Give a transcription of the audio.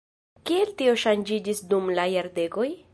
Kiel tio ŝanĝiĝis dum la jardekoj?